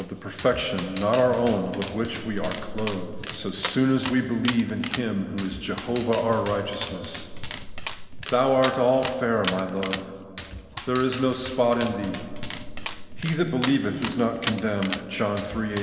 the perfection (not our own) with which we are clothed, so soon as we believe in Him who is ' Jehovah our righteousness.' ' Thou art all fair, my love ; there is no spot in thee ' (Song of SoL iv. 7). ' He that beUeveth is not condemned ' (John iii 18).